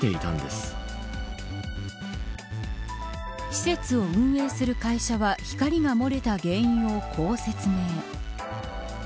施設を運営する会社は光が漏れた原因をこう説明。